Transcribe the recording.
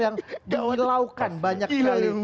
yang menghilaukan banyak kali